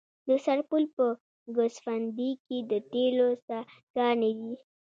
د سرپل په ګوسفندي کې د تیلو څاګانې دي.